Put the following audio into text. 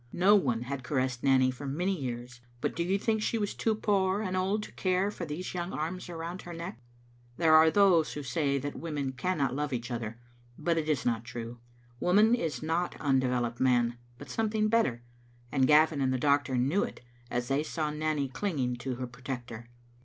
No one had caressed Nanny for many years, but do you think she was too poor and old to care for these young arms around her neck? There are those who say that women cannot love each other, but it is not true. Woman is not undeveloped man, but something better, and Gavin and the doctor knew it as they saw Nanny clinging to her protector.